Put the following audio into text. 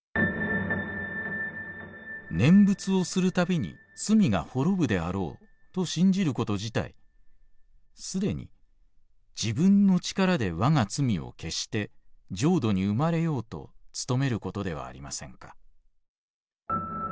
「念仏をするたびに罪が滅ぶであろうと信じること自体すでに自分の力でわが罪を消して浄土に生まれようとつとめることではありませんか。